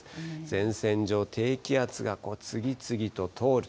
前線上、低気圧が次々と通る。